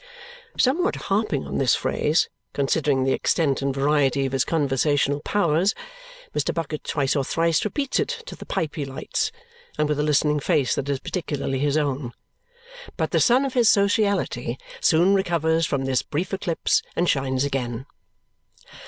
Somewhat harping on this phrase, considering the extent and variety of his conversational powers, Mr. Bucket twice or thrice repeats it to the pipe he lights, and with a listening face that is particularly his own. But the sun of his sociality soon recovers from this brief eclipse and shines again.